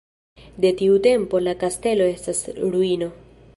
De tiu tempo la kastelo estas ruino.